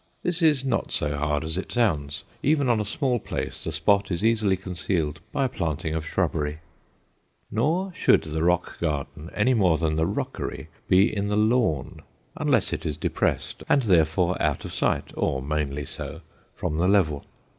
This is not so hard as it sounds; even on a small place, the spot is easily concealed by a planting of shrubbery. Nor should the rock garden, any more than the rockery, be in the lawn unless it is depressed and therefore out of sight, or mainly so, from the level.